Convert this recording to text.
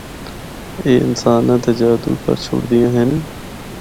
اے انساناں تے جادو کر چُھڑدیاں ہن۔